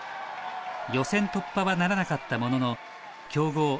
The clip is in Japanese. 予選突破はならなかったものの強豪